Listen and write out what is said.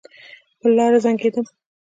پر لار زنګېدم.